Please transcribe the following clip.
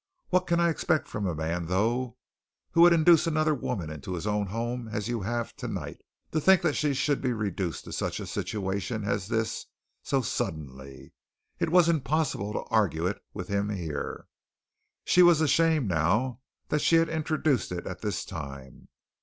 What can I expect from a man, though, who would introduce another woman into his own home as you have tonight?" To think that she should be reduced to such a situation as this so suddenly! It was impossible to argue it with him here. She was ashamed now that she had introduced it at this time.